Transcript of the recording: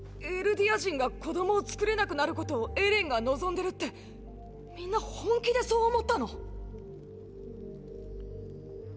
エルディア人が子供を作れなくなることをエレンが望んでるってみんな本気でそう思ったの？